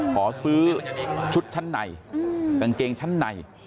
ขอซื้อชุดชั้นในกางเกงชั้นใน